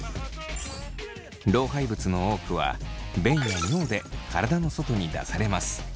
老廃物の多くは便や尿で体の外に出されます。